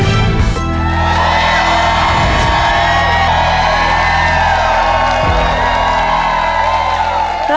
สวัสดีครับ